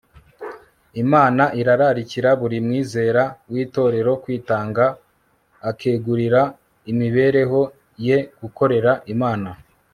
imana irararikira buri mwizera w'itorero kwitanga akegurira imibereho ye gukorera imana